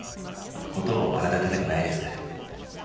事を荒立てたくないですから。